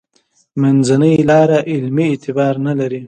منځنۍ لاره علمي اعتبار نه لري.